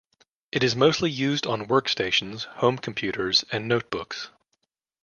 It is mostly used on workstations, home computers, and notebooks.